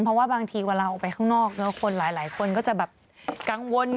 เพราะว่าบางทีเวลาออกไปข้างนอกคนหลายคนก็จะแบบกังวล